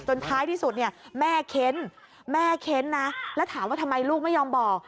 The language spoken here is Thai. ท้ายที่สุดเนี่ยแม่เค้นแม่เค้นนะแล้วถามว่าทำไมลูกไม่ยอมบอก